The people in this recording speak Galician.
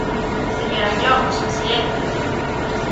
¡Señor Anllóns, silencio!